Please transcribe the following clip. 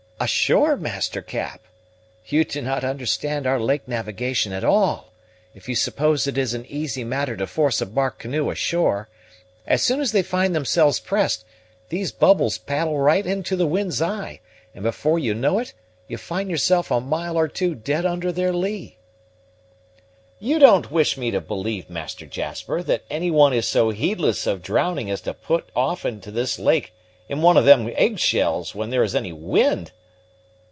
"Ashore, master Cap! You do not understand our lake navigation at all, if you suppose it an easy matter to force a bark canoe ashore. As soon as they find themselves pressed, these bubbles paddle right into the wind's eye, and before you know it, you find yourself a mile or two dead under their lee." "You don't wish me to believe, Master Jasper, that any one is so heedless of drowning as to put off into this lake in one of them eggshells when there is any wind?"